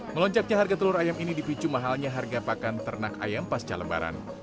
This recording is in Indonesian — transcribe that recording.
melonjaknya harga telur ayam ini dipicu mahalnya harga pakan ternak ayam pasca lebaran